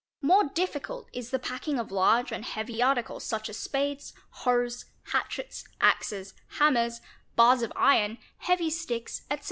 ' More difficult is the packing of large and heavy articles such as spades, noes, hatchets, axes, hammers, bars of iron, heavy sticks, etc.